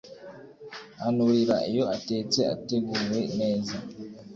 anurira iyo atetse ateguwe neza